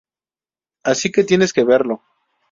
Así que tienes que verlo.